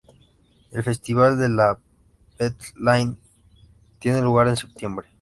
El festival de la p’tite Laine tiene lugar en septiembre.